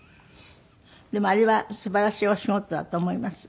でもあれはすばらしいお仕事だと思います。